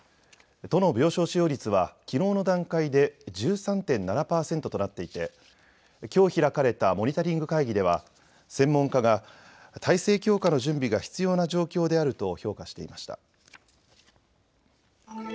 都の病床使用率はきのうの段階で１３．７％となっていてきょう開かれたモニタリング会議では専門家が体制強化の準備が必要な状況であると評価していました。